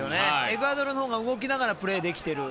エクアドルのほうが動きながらプレーできている。